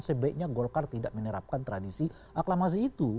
sebaiknya golkar tidak menerapkan tradisi aklamasi itu